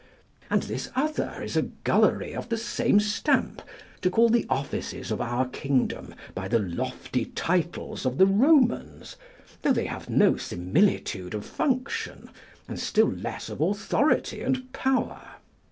And this other is a gullery of the same stamp, to call the offices of our kingdom by the lofty titles of the Romans, though they have no similitude of function, and still less of authority and power.